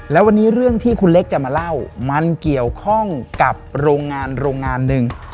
แล้ววันนี้เรื่องที่คุณเล็กจะมาเล่ามันเกี่ยวข้องกับโรงงานโรงงานหนึ่ง